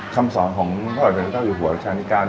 คำสอนของพระอาจารย์เจ้าอยู่หัวรัชนานิกา